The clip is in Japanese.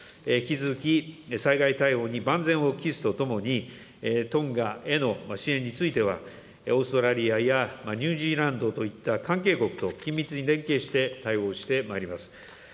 引き続き災害対応に万全を期すとともに、トンガへの支援については、オーストラリアやニュージーランドといった関係国と緊密に連携して対応してまいります。